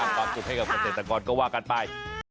ความสุขให้กับเกษตรกรก็ว่ากันไป